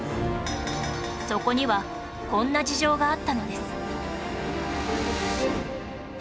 そこにはこんな事情があったのです